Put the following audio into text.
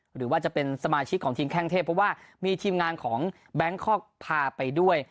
หรือว่าจะเป็นสมาชิกของทีมแข้งเทพเพราะว่ามีทีมงานของแบงคอกพาไปด้วย